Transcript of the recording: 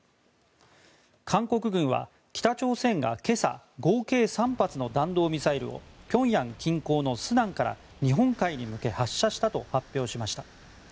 韓国軍は北朝鮮が今朝合計３発の弾道ミサイルを平壌近郊の順安から日本海に向け発射したと発表しました。